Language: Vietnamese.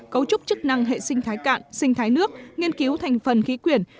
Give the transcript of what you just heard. cấu trúc chức năng hệ sinh thái cạn sinh thái nước nghiên cứu thành phần khí quyển